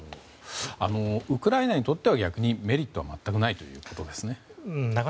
ウクライナにとっては逆にメリットは全くないということですか？